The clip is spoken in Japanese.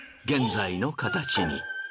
現在の形に。